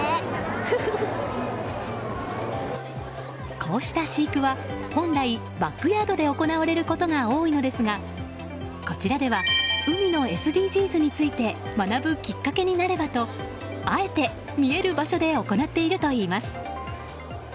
こうした飼育は本来バックヤードで行われることが多いのですがこちらでは海のＳＤＧｓについて学ぶきっかけになればとあえて、見える場所で行っているといいます。